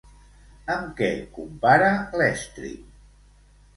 Amb què compara l'estri?